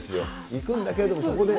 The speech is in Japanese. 行くんだけれども、そこで。